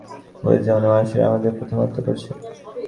ভুলে যেয়ো না, মানুষেরাই আমাদের প্রথমে হত্যা করেছে।